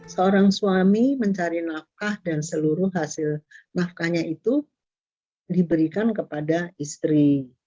seorang suami mencari nafkah dan seluruh hasil nafkahnya itu diberikan kepada istri